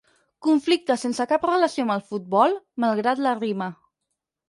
Conflicte sense cap relació amb el futbol, malgrat la rima.